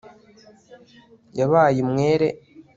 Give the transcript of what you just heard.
Yabaye umwere